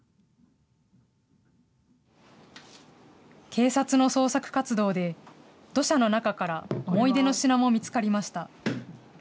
警察の捜索活動で、土砂の中から思い出の品も見つかりました。